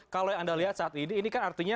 kalau yang anda lihat saat ini ini kan artinya